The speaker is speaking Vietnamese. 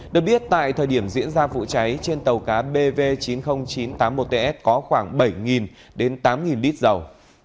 được biết tại thời điểm diễn ra vụ cháy trên tàu cá bv chín mươi nghìn chín trăm tám mươi một ts có khoảng bảy đến tám lít dầu